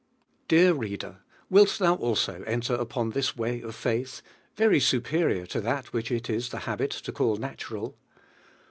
Dear reader, wilt thou also enter upon this way of faith, very superior to that which it is the habit to call natural?